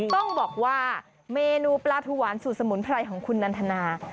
ต้องบอกว่าเมนูปลาทูหวานสูตรสมุนไพรของคุณนันทนา